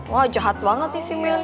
wah jahat banget nih si mel